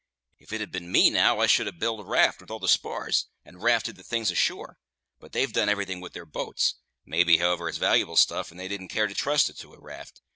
If it had been me, now, I should ha' built a raft with all the spars, and rafted the things ashore, but they've done everything with their boats; maybe, hows'ever it's valyable stuff, and they didn't care to trust it to a raft.